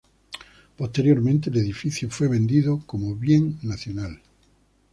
Posteriormente el edificio fue vendido como bien nacional.